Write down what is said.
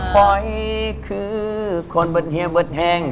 ป่อยคือคนบดเหี้ยบดแห่ง